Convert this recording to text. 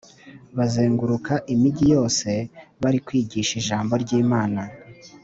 Bazenguruka imigi yose barikwigisha ijambo ryi Imana